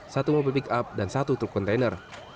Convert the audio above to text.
satu mobil pickup dan satu truk kontainer